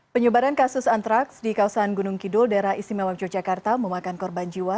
penyebaran kasus antraks di kawasan gunung kidul daerah istimewa yogyakarta memakan korban jiwa